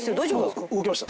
動きました。